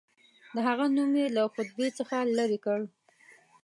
د هغه نوم یې له خطبې څخه لیري کړ.